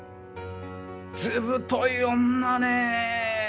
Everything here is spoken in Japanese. ずぶとい女ね。